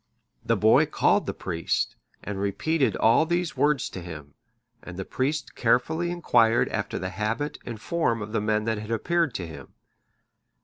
The boy called the priest, and repeated all these words to him; and the priest carefully inquired after the habit and form of the men that had appeared to him.